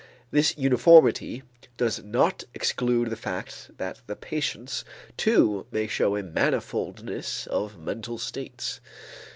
This uniformity does not exclude the fact that the patients too may show a manifoldness of mental states.